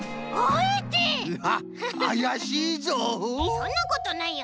そんなことないよ。